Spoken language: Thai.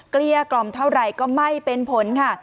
เกลี้ยกล่อมเท่าไหร่ก็ไม่เป็นผลค่ะ